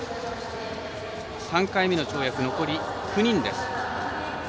３回目の跳躍残り９人です。